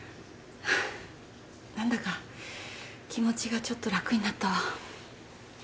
何だか気持ちがちょっと楽になったわ。